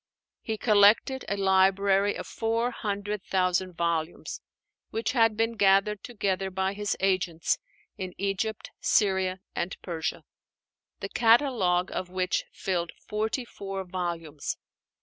He collected a library of four hundred thousand volumes, which had been gathered together by his agents in Egypt, Syria, and Persia: the catalogue of which filled forty four volumes.